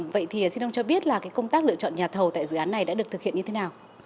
vậy thì xin ông cho biết là công tác lựa chọn nhà thầu tại dự án này đã được thực hiện như thế nào